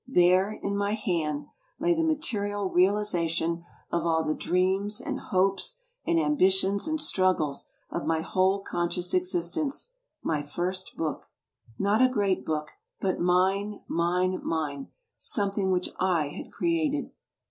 There, in my hand, lay the material realization of all the dreams and hopes and ambi tions and struggles of my whole conscious exisKnce my first book. Not a great book, but mine, mine, mine, some thing which I had creared."